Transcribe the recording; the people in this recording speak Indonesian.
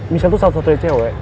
michelle tuh satu satunya cewek